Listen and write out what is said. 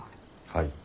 はい。